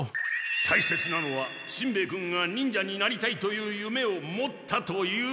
たいせつなのはしんべヱ君が忍者になりたいというゆめを持ったということなんだ！